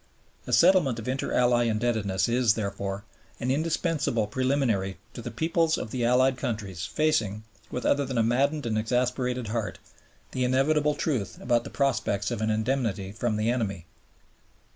A settlement of Inter Ally indebtedness is, therefore, an indispensable preliminary to the peoples of the Allied countries facing, with other than a maddened and exasperated heart, the inevitable truth about the prospects of an indemnity from the enemy.